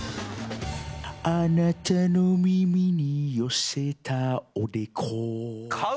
あなたの耳に寄せたおでこ。